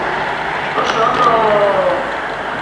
Oso ondo!